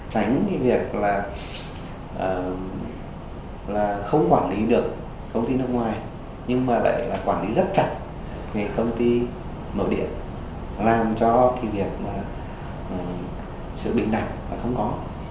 tránh cái việc là không quản lý được công ty nước ngoài nhưng mà lại là quản lý rất chặt cái công ty nội địa làm cho cái việc mà sự bình đẳng là không có